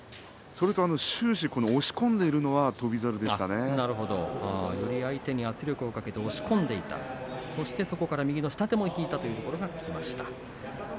それと終始、押し込んでいるのはより相手に圧力をかけて押し込んでいったそして右の下手を引いたというのが効きました。